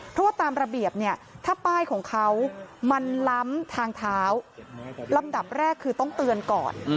เพราะว่าตามระเบียบเนี่ยถ้าป้ายของเขามันล้ำทางเท้าลำดับแรกคือต้องเตือนก่อน